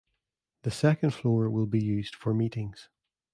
The second floor will be used for meetings.